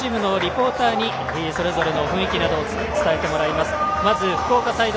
両チームのリポーターにそれぞれの雰囲気を伝えてもらいます。